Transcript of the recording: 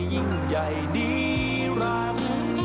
ยิ่งใหญ่ดีรัง